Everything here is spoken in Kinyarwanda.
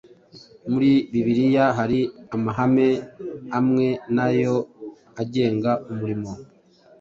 Muri Bibliya hari amahame amwe nyayo agenga umurimo.